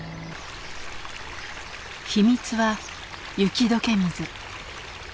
秘密は雪解け水。